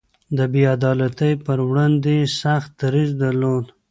د بې عدالتۍ پر وړاندې يې سخت دريځ درلود.